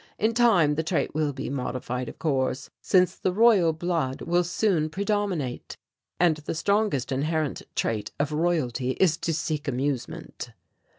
In time the trait will be modified, of course, since the Royal blood will soon predominate, and the strongest inherent trait of Royalty is to seek amusement."